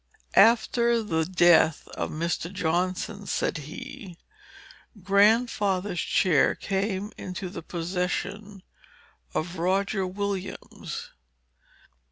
"After the death of Mr. Johnson," said he, "Grandfather's chair came into the possession of Roger Williams.